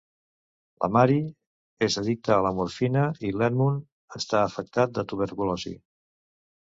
La Mary és addicta a la morfina i l'Edmund està afectat de tuberculosi.